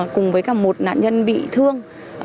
cùng với cả một nạn nhân bị thương